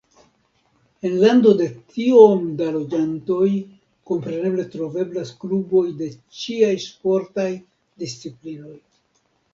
En lando de tiom da loĝantoj, kompreneble troveblas kluboj de ĉiaj sportaj disciplinoj.